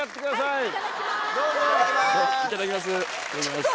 いただきます。